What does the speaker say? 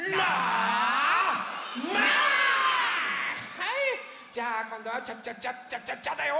はいじゃあこんどはチャッチャッチャチャッチャッチャだよ！